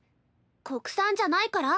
国産じゃないから？